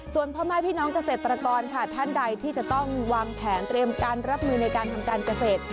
ส่วนพ่อแม่พี่น้องเกษตรกรค่ะท่านใดที่จะต้องวางแผนเตรียมการรับมือในการทำการเกษตร